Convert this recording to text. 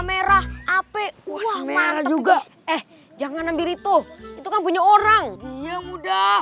merah api wah merah juga eh jangan ambil itu itu kan punya orang muda